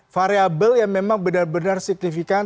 variable yang memang benar benar signifikan